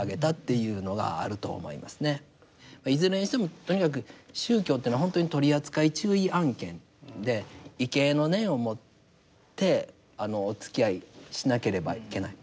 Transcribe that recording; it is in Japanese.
いずれにしてもとにかく宗教というのは本当に取扱注意案件で畏敬の念を持ってあのおつきあいしなければいけない。